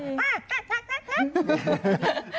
เหมือนนะ